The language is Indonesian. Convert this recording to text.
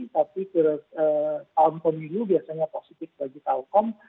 tapi tahun pemilu biasanya positif bagi telkom